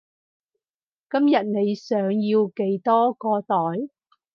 今日你想要幾多個袋？